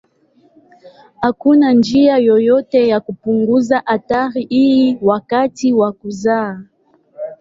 Hakuna njia yoyote ya kupunguza hatari hii wakati wa kuzaa.